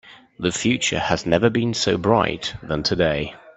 The future has never been so bright than today.